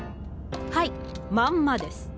はいまんまです。